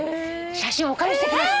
写真お借りしてきました。